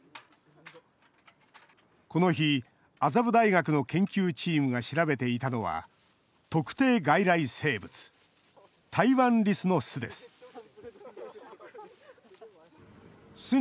この日、麻布大学の研究チームが調べていたのは、特定外来生物、タイワンリスの巣です。